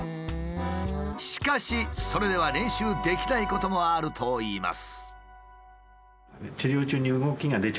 しかしそれでは練習できないこともあるといいます。